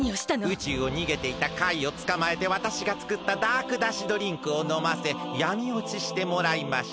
宇宙をにげていたカイをつかまえてわたしがつくったダークだしドリンクをのませやみおちしてもらいました。